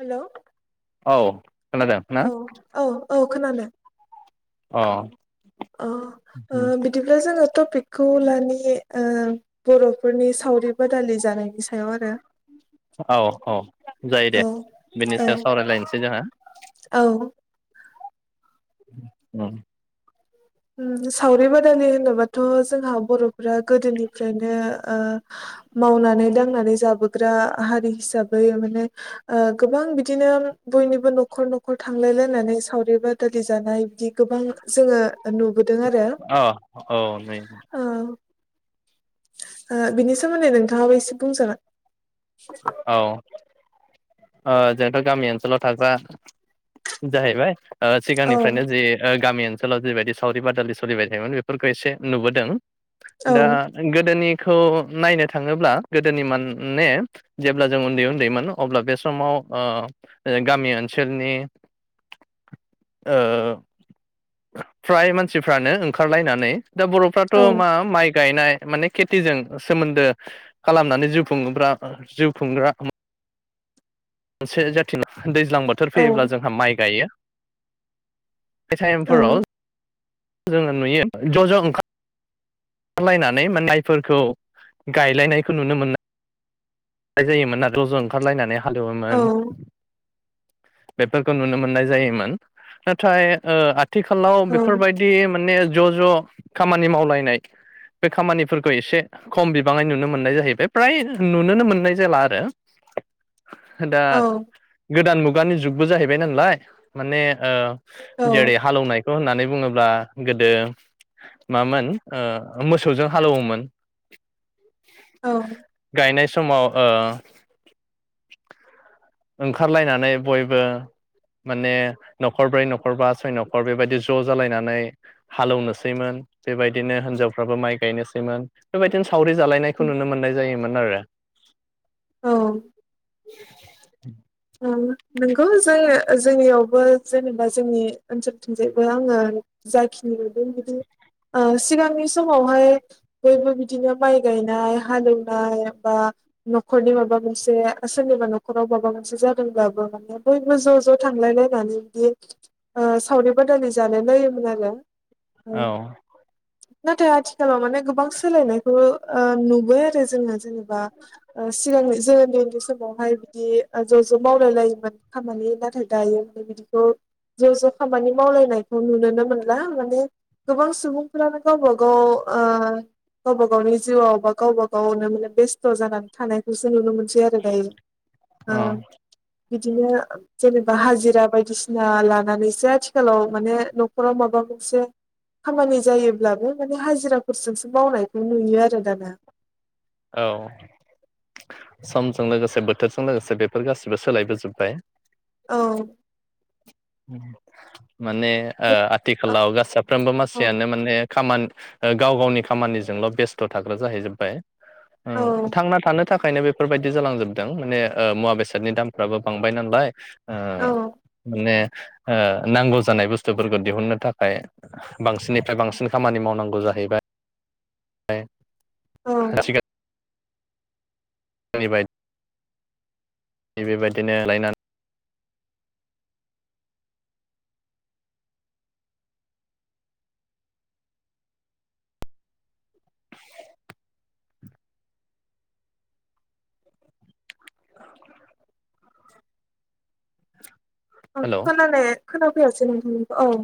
Hello औ। खोनादों ना औ औ औ। खोनादों। अह। अ ओ बिदिब्ला जोङो टपिकखौ लानि ओ बर'फोरनि सावरि बादालि जानायनि सायाव आरो। औ औ जायो औ दे बेनि औ सायाव सावरायलायनोसै जोंङो। औ। उम। उम सावरि बादालि होनोबाथ' जोंहा बर'फ्रा गोदोनिफ्रायनो ओ मावनानै दांनानै जाबोग्रा हारि हिसाबै माने ओ गोबां बिदिनो बयनिबो न'खर न'खर थांलायलायनानै सावरि बादालि जानाय बिदि गोबां जोङो नुबोदों आरो अ औ नै ओ ओ बिनि सोमोन्दै नोंथां दा बैसा गंसा औ ओ जोंथ' गामि ओनसोलाव थाग्रा जाहैबाय। औ सिगांनिफ्रायनो जे ओ गामि ओनसोलाव जेरबायदि सावरि बादालि सलिबाय थायोमोन बेफोरखौ एसे नुबोदों। दा नोंगौ जोङो गोदोनि खौ नायनो थाङोब्ला गोदोनि मोनने जेब्ला जों उन्दै उन्दैमोन अब्ला बे समाव ओ गामि ओनसोलनि ओ फ्राय मानसिफ्रानो ओंखारलायनानै दा बर'फ्राथ' मा माइ गायनाय माने खेथिजों सोमोन्दो खालामनानै जिउ खुंबोग्रा जिउ खुंग्रा मोनसे जाथिना। दैज्लां बोथोर फैयोब्ला जोंहा माइ गायो। बे टाइमफोराव जोङो नुयो ज' ज' ओंखार ओंखारलायनानै माइफोरखौ गायलायनायखौ नुनो मोनो। जायोमोन ज' ज' ओंखारलायनानै हालौओमोन बेफोरखौ नुनो मोननाय जायोमोन नाथाय ओ आ थिखालाव बेफोरबायदि माने ज' ज' खामानि मावलायनाय बे खामानिफोरखौ एसे खम बिबाङै नुनो मोननाय जाहैबाय फ्राय नुनोनो मोननाय जाला आरो। दा गोदान मुग गानि जुगबो जाहैबाय नालाय माने ओ जेरे हालौनाय होननानै बुङोब्ला गोदो मामोन ओ मोसौजों हालौवोमोन। गायनाय समाव ओ ओंखारलायनानै बयबो माने न'खरब्रै न'खरबा सय न'खर बेबायदि ज' जालायनानै हालौनोसैमोन बेबायदिनो हिनजावफ्राबो माइ गायनोसैमोन बेबायदिनो सावरि जालायनायखौ नुनो मोननाय जायोमोन आरो। औ [unintelligible] ओ नंगौ जोनि जोंनियावबो जेनेबा जोंनि ओनसोलथिंजायबो आङो जाखिनि नुदों बिदि ओ सिगांनि समावहाय बयबो बिदिनो माइ गायनाय हालेवनाय बा न'खरनि माबा मोनसे सोरनिबा न'खराव माबा मोन‌ से जादोंबाबो माने बयबो ज' ज' थांलायलायनानै बिदि ओ सावरि बादालि जालाय लायोमोन आरो। औ नाथाय आथिखालाव माने गोबां सोलायनायखौ ओ नुबाय आरो जोङो जेनेबा सिगांनि जों ओनदै ओनदै समावहाय बिदि ज' ज' मावलायलायोमोन खामानि नाथाय दायो बेबायबिदिखौ ज' ज' खामानि मावलायनायखौ नुुनोनो मोनला माने गोबां सुबुंफ्रानो गावबा गाव ओ गावबा गावनि जिउआव बा गावबा गावनो माने बेस्थ' जानानै थानायखौसो नुनो मोनसै आरो दायो। औ ओ बिदिनो जेनेबा हाजिरा बायदिसिना लानानैसो आथिखालाव माने न'खराव माबा मोनसे खामानि जायोब्लाबो माने हाजिराफोरजोंसो मावनायखौ नुयो आरो दाना। औ समजों लोगोसे बोथोरजों लोगोसे बेफोर गासिबो सोलायबोजोब्बाय। औ। [inaudible] माने ओ आथिखालाव गासाफ्रोमबो औ मासियानो माने खामानि ओ गाव गावनि खामानिजोंल' बेस्थ' थाग्रा जाहैजोब्बाय। उम औ थांना थानो थाखायनो बेफोरबायदि जालांजोबदों माने मुवा बेसादनि दामफ्राबो बांबाय नालाय ओ औ माने ओ नांगौ जानाय बुस्थुफोरखौ दिहुननो थाखाय बांसिननिफ्राय बांसिन खामानि मावनांगौ जाहैबाय बाय औ [inaudible] [unintelligible] बेेबायदिनो लायनानै हेलौ [inaudible] खोनाफैयासै नोंथांनिखौ औ।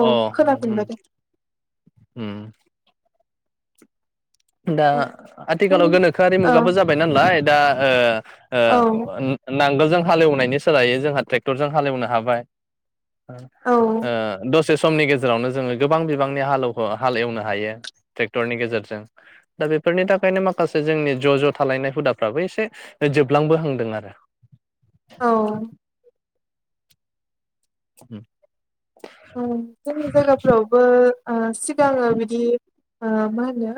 औ अ उम उम खोनाफिनबाय दे उम। दा औ आथिखालाव जोंनि गोनोखोआरि औ मुगाबो जाबाय नालाय दा औ ओ ओ नांगोल जों हालेवनायनि सोलायै जोंहा ट्रेक्टरजों हालेवनो हाबाय औ ओ द से समनि गेजेरावनो जोङो गोबां बिबांनि हालौ ओ हाल एवनो हायो ट्रेक्टरनि गेजेरजों। दा बेफोरनि थाखायनो माखासे जोंनि ज' ज' थालायनाय हुदाफ्राबो एसे जोबलांबोहांदों आरो। औ। उम। जोंनि जायगाफ्रावबो ओ सिगाङो बिदि ओ मा होनो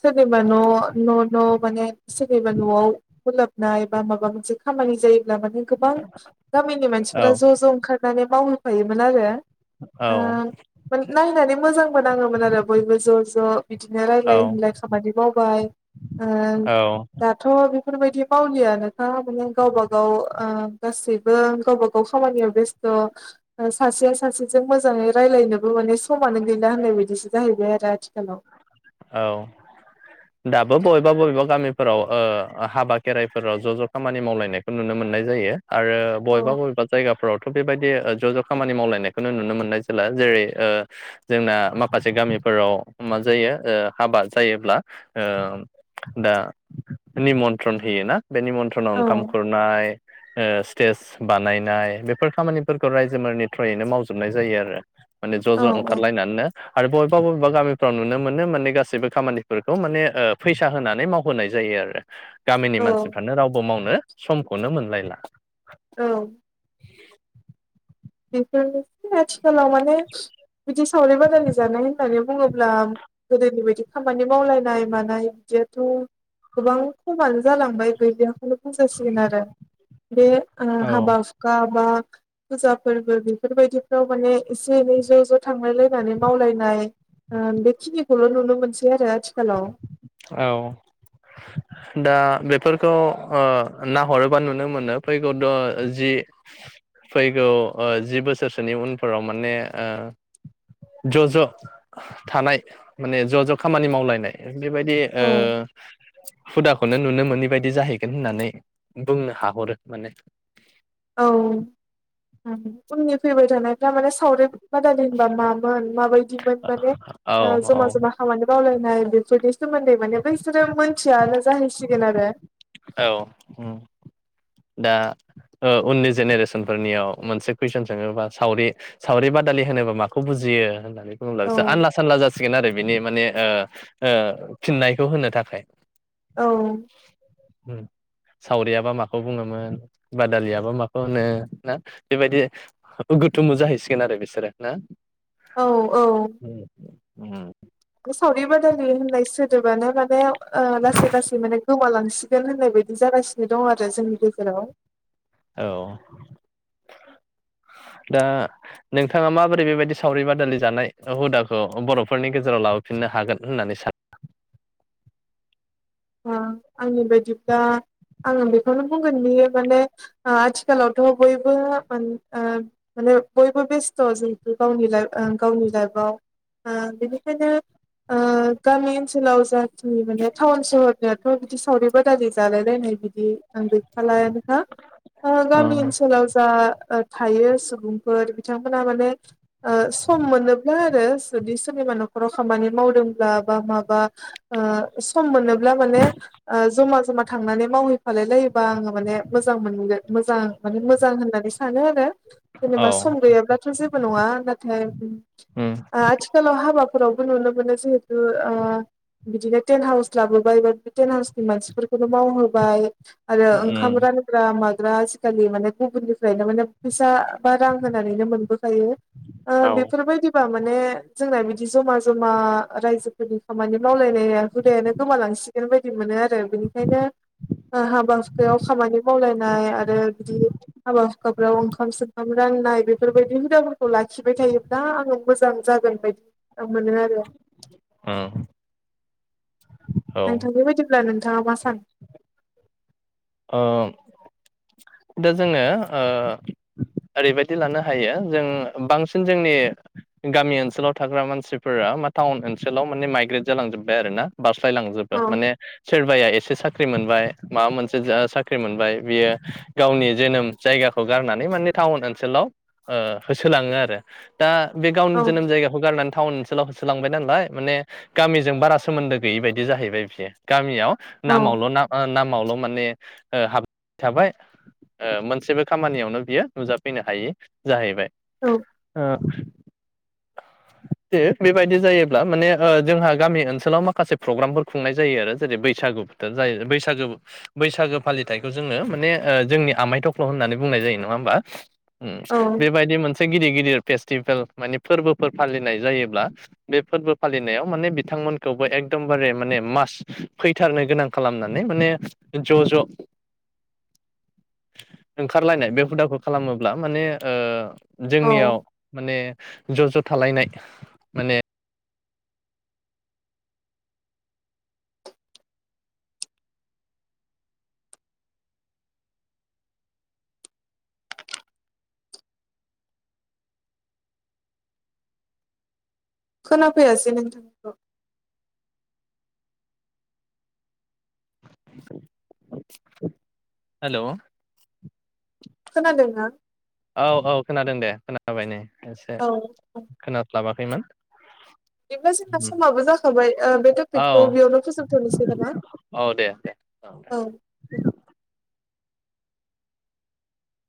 सोरनिबा न' न' न' माने सोरनिबा न'आव बोलाबनाय बा माबा मोनसे खामानि जायो लाबाथाय गोबां गामिनि औ मानसिफोरा ज' ज' ओंखारनानै मावहैफायोमोन आरो। ओ औ माने नायनानै मोजांबो नाङोमोन आरो बयबो ज' ज' बिदिनो औ रायलाय होनलाय खामानि मावबाय ओ औ दाथ' बेफोरबायदि मावलियानो खामानि गावबा गाव ओ गासैबो गावबा गाव खामानियाव बेस्थ' सासेया सासे सासेजों मोजाङै रायज्लायनोबो माने समानो गैना होननाय बायदिसो जाहैबाय आरो आथिखालाव। औ दाबो बबेबा बबेबा गामिफोराव ओ हाबा खेराइफोराव ज' ज' खामानि मावलायनायखौ नुनो मोननाय जायो। आरो औ बबेबा बबेबा जायगाफोरावथ' बेबायदि ओ ज' ज' खामानि मावलायनायखौनो नुनो मोननाय जाला जेरै जोंना माखासे गामिफोराव मा जायो ओ हाबा जायोब्ला ओ दा निमन्थ्रन होयो ना बेनि निमन्थ्रनाव औ ओंखाम खुरनाय ओ स्टेज बानायनाय बेफोर खामानिफोरखौ रायजोफोरनि थ्रयैनो मावजोबनाय जायो आरो। माने ज' औ ज' औ ओंखारलायनानैनो आरो बय बाबेबा गामिफ्राव नुनो मोन माने गाससिबो खामानिफोरखौ माने फैसा होनानै मावहोनाय जायो आरो गामिनि औ मानसिफ्रानो रावबो मावनो समखौनो मोनलायला। औ। बेफोरनोसै आथिखालाव माने बिदि सावरि बादानि जानाय होननानै बुङोब्ला गोदोनि बायदि खामानि मावलायनाय मानाय बिदियाथ' गोबां खमानो जालांबाय गैलियाखौनो बुंजासिगोन आरो बे औ हाबा हुखा बा बोजाब फोरबो बेफोरबायदिफ्राव माने एसे एनै ज' ज' थांलायलायनानै मावलायनाय ओ बेखिनिखौल' नुनो मोनसै आरो आथिखालाव औ दा बेफोरखौ नाहरोबा नुनो मोनो फैगौ द जि फैगौ जि बोसोरसोनि उनफोराव माने ज' ज' थानाय माने ज' ज' खामानि मावलायनाय बेबायदि ओ औ हुदाखौनो नुनो मोनै बायदि जाहैगोन होननानै बुंनो हाहरो माने औ उननि फैबाय थानायफ्रा माने सावरि बादालि होनबा मामोन माबायदिमोन माने औ औ जमा जमा खामानि मावल नाय बेफोरनि सोमोन्दै माने बिसोरो मोनथियानो जाहैसिगोन आरो औ दा उननि जेनेरेसनफोरनियाव मोनसे कुइसन सोङोबा सावरि सावरि बादालि होनोबा माखौ बुजियो बुङोब्ला बिसर औ आनला सानला जासिगोन आरो बिनि माने ओ फिननायखौ होनो थाखाय। औ। ओम सावरियाबा माखौ बुङोमोन बादालियाबा माखौ होनो ना बेबायदि गुथुमु जाहैसिगोन आरो बिसोरो ना। औ औ। ओम। बे सावरि बादालि होननाय सोदोबानो माने लासै लासै माने गोमालांजोब सिगोन होननाय बायदि जागासिनो दं आरो जोंनि गेजेराव। औ दा नोंथाङा माबोरै बेबायदि सावरि बादालि जानाय हुदाखौ बर'फोरनि गेजेराव लाबोफिननो हागोन होननानै सानो ओ आंनि बायदिब्ला आङो बेखौनो बुंगोन बि माने आथिखालावथ' बयबो ओ माने बयबो बेस्थ' जोंथु गावनि लाइ गावनि लाइफआव ओ बेनिखायनो ओ गामि ओनसोलाव जा टाउन सहर नियाथ' बिदि सावरिबाादालि जालाय लायनाय बिदि बि आं गैखालायानो ना गामि सानो? ओनसोलाव जा थायो सुबुंफोर बिथांमोनहा माने ओ सम मोनोब्ला आरो जुदि सोरनिबा न'खराव खामानि मावदोंब्ला बा माबा ओ सम मोन माने ओ जमा जमा थांनानै मावहै फालायलायोबा आङो माने मोजां मोनगोन मोजां माने मोजां होननानै सानो आरो औ जेनेबा सम गैयाब्लाथ' जेबो नङा नाथाय उम आ आथिखालाव हाबा रावबो नुनो मोनो जिहेथु ओ बिदिनो थेन हाउस लाबो बे थेन हाउसनि मानसिफोरखौनो मावहोबाय आरो ओंखाम उम रानग्रा माय रा आजिखालि माने गुबुननिफ्रायनो माने फैसा बा रां होनानैनो मोनबो आयो ओ औ बेफोरबायदिबा माने जोंना बिदि जमा जमा रायजोफोरनि खामानि मावलायनाया हुदायानो गोमालां सिगोन बायदि मोनो आरो बेनिखायनो ओ हाबा हुखायाव खामानि मावलायनाय आरो बिदि हाबा हुखाफ्राव ओंखाम संखाम राननाय बेफोरबायदि हुदाफोरखौ लाखिबाय थायोब्ला आङो मोजां जागोन बायदि औ मोनोआरो उम औ नोंथांनि बायदिब्ला नों दावासान ओ दा जोङो ओ ओरैबायदि लानो हायो जों बांसिन जोंनि गामि ओनसोलाव थाग्रा मानसिफोरा मा टाउन ओनसोलाव माने माइग्रेट जालां जोबबाय आरोना बास फाय लांजोबा औ माने सोरबाया एसे साख्रि मोनबाय मा मोन सो जा साख्रि मोनबाय बियो गावनि जोनोम जायगाखौ गारनानै माने टाउन ओनसोलाव होसोलाङो आरो दा बे गावनि औ जोनोम जायगाखौ गारनान टाउन ओनसोलाव होसोलांबाय नालाय माने गामिजों बारा सोमोन्दो गैयि बायदि जाहैबाय बियो गामियाव औ नामावल' ना ओ नाम [unintelligible] माने ओ हाब थाबाय ओ मोनसेबो खामानियावनो बियो नुजाफैनो हायि जाहैबाय औ ओ दे बेबायदि जायोब्ला माने ओ जोंहा गामि ओनसोलाव माखासे प्रग्रामफोर खुंनाय जायो आरो जेरै बैसागु बोथोर जायो बैसागो बैसागो फालिथायखौ जोङो माने ओ जोंनि आमाइ थख्ल' होननानै बुंनाय जायो नङा होम्बा? उम औ बेबायदि मोन से गिदिर गिदिर फेस्टिभेल माने फोरबोफोर फालिनाय जायोब्ला बे फोरबो फालिनायाव माने बिथांमोनखौबो एकदमबारे माने मास फैथारनो गोनां खालामनानै माने ज' ज' ओंखारलायनाय बे हुदाखौ खालामोब्ला माने ओ औ जोंनियाव माने ज' ज' थालायनाय माने खोनाफैयासै नोंथांखौ हेल' खोनादों ना औ औ खोनादों दे खोनाबाय नै एसे औ खोनास्लाबाखैमोन दाथ जोंना समाबो जाखाबाय ओ बे औ ट्रपिकखौ बेयावनो फोजोबथ'नोसै नामा दे दे औ औ उम